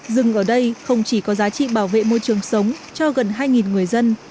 rừng ở đây không chỉ có giá trị bảo vệ môi trường sống cho gần hai người dân